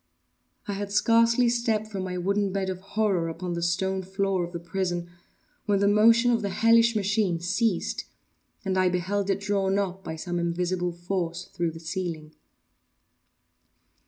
I had scarcely stepped from my wooden bed of horror upon the stone floor of the prison, when the motion of the hellish machine ceased and I beheld it drawn up, by some invisible force, through the ceiling.